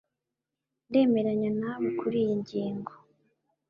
ndemeranya nawe kuriyi ngingo